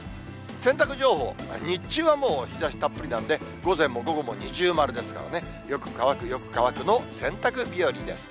洗濯情報、日中はもう、日ざしたっぷりなんで、午前も午後も二重丸ですからね、よく乾く、よく乾くの洗濯日和です。